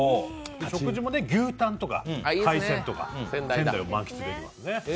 食事も牛タンとか海鮮とか、仙台を満喫できますね。